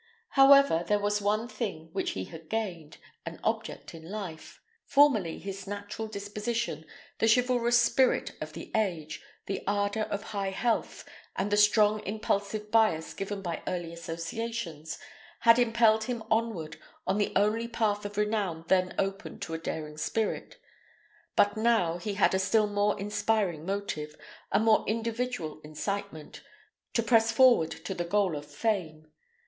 However, there was one thing which he had gained: an object in life. Formerly his natural disposition, the chivalrous spirit of the age, the ardour of high health, and the strong impulsive bias given by early associations, had impelled him onward on the only path of renown then open to a daring spirit. But now he had a still more inspiring motive, a more individual incitement, to press forward to the goal of fame.